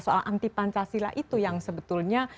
soal anti pancasila itu yang sebetulnya